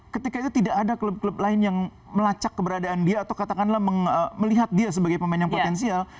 ketika itu tidak ada klub klub lain yang melacak keberadaan dia atau katakanlah melihat dia sebagai pemain yang potensial